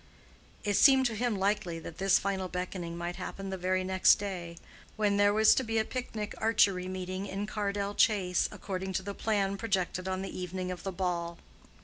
It seemed to him likely that this final beckoning might happen the very next day, when there was to be a picnic archery meeting in Cardell Chase, according to the plan projected on the evening of the ball.